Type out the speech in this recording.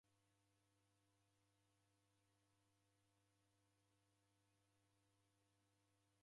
Najhoka w'ulinyi, naw'uadwa ni dilo